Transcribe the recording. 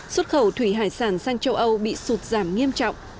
xuất khẩu thủy hải sản sang châu âu bị sụt giảm nghiêm trọng